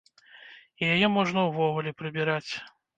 І яе можна ўвогуле прыбіраць.